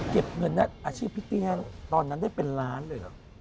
เก็บเงินอาชีพพิตตี้ตอนนั้นได้เป็นล้านเลยเหรอ